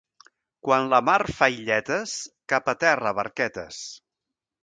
Quan la mar fa illetes, cap a terra barquetes.